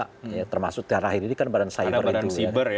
karena terakhir paraly heard pada saatnya badan siber